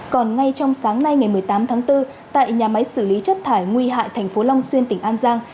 còn ngay trong sáng nay ngày một mươi tám tháng bốn tại nhà máy xử lý chất thải nguy hại thành phố long xuyên tỉnh an giang